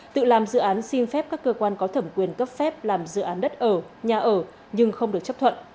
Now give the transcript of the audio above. tự làm dự án xin phép các cơ quan có thẩm quyền cấp phép làm dự án đất ở nhà ở nhưng không được chấp thuận